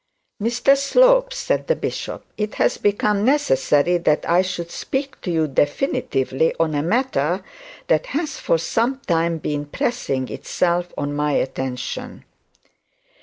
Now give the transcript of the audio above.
'Mr Slope,' said the bishop, 'it has become necessary that I should speak to you definitively on a matter that has for some time been pressing itself on my attention.'